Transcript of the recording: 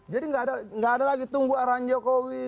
jadi nggak ada lagi tunggu arahan jokowi